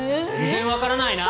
全然わからないな。